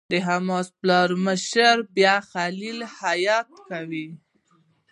د حماس پلاوي مشري بیا خلیل الحية کوي.